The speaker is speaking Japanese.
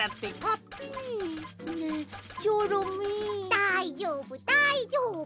だいじょうぶだいじょうぶ！